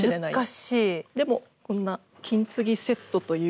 でもこんな金継ぎセットというものが。